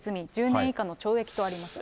１０年以下の懲役とあります。